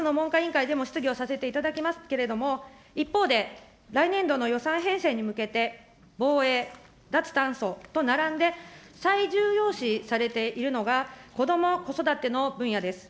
この件はあすのもんか委員会でも質疑をさせていただきますけれども、一方で、来年度の予算編成に向けて、防衛、脱炭素と並んで、最重要視されているのが子ども・子育ての分野です。